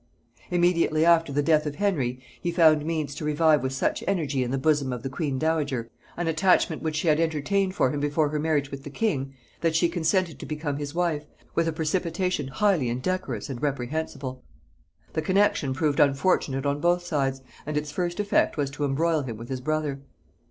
Immediately after the death of Henry, he found means to revive with such energy in the bosom of the queen dowager, an attachment which she had entertained for him before her marriage with the king, that she consented to become his wife with a precipitation highly indecorous and reprehensible. The connexion proved unfortunate on both sides, and its first effect was to embroil him with his brother.